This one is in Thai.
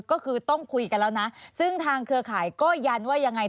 ก็คือต้องคุยกันแล้วนะซึ่งทางเครือข่ายก็ยันว่ายังไง